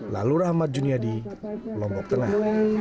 lalu rahmat juniadi lombok tengah